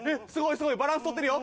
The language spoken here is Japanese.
スゴいバランス取ってるよ